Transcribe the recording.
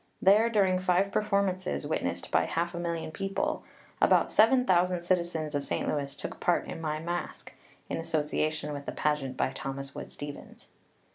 There, during five performances, witnessed by half a million people, about seven thousand citizens of Saint Louis took part in my Masque [in association with the Pageant by Thomas Wood Stevens].